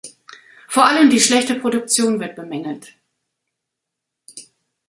Vor allem die schlechte Produktion wird bemängelt.